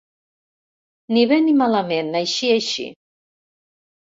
Ni bé ni malament, així així.